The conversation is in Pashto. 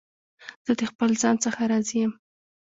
زه د خپل ځان څخه راضي یم.